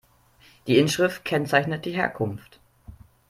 Die Inschrift kennzeichnet die Herkunft.